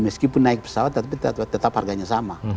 meskipun naik pesawat tapi tetap harganya sama